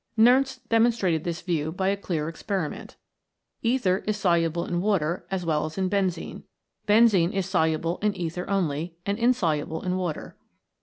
Nernst demonstrated this view by a clear experiment. Ether is soluble in water as well as in benzene. Benzene is soluble in ether only, and insoluble in water.